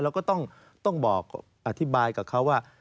เราก็ต้องบอกอธิบายกับเขาว่า